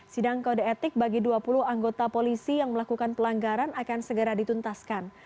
sidang kode etik bagi dua puluh anggota polisi yang melakukan pelanggaran akan segera dituntaskan